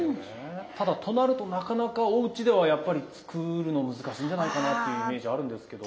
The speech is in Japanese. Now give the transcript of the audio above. ただとなるとなかなかおうちではやっぱり作るの難しいんじゃないかなというイメージあるんですけど。